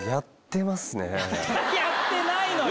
やってないのよ！